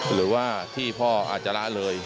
หรือว่าที่พ่ออาจจะละเลย